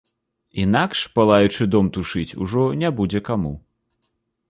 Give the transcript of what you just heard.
Інакш палаючы дом тушыць ужо не будзе каму.